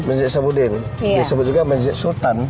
masjid isamudin disebut juga masjid sultan